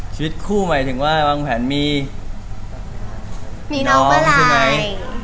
ชีวิตคู่ใหม่ถึงว่าบางแผนมีน้องใช่ไหม